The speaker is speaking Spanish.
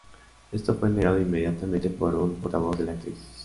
Esto fue negado inmediatamente por un portavoz de la actriz.